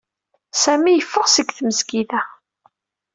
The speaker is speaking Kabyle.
Sami yeffeɣ seg tmesgida.